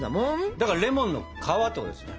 だからレモンの皮ってことですね。